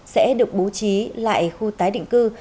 sẽ được bố trí lại khu tái định cư